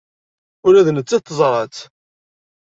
Ula d nettat teẓra-tt.